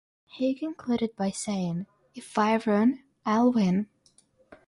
He concluded by saying: If I run, I'll win.